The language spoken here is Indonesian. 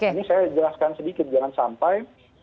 ini saya jelaskan sedikit jangan sampai